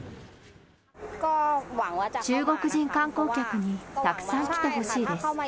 中国人観光客にたくさん来てほしいです。